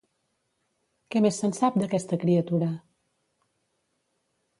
Què més se'n sap d'aquesta criatura?